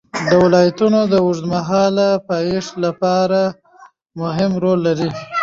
ولایتونه د اوږدمهاله پایښت لپاره مهم رول لري.